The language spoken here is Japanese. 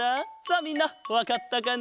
さあみんなわかったかなあ？